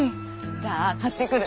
じゃあ買ってくる。